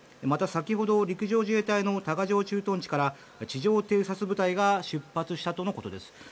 また先ほど陸上自衛隊の多賀城駐屯地から地上偵察部隊が出発したとのことです。